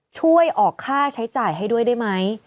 ช่วยออกค่าใช้จ่ายให้ด้วยได้ไหม